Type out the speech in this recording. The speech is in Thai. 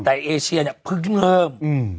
แต่เอเชียเนี่ยเพิ่งเริ่ม